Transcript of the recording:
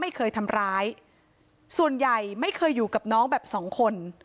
ไม่เคยทำร้ายส่วนใหญ่ไม่เคยอยู่กับน้องแบบสองคน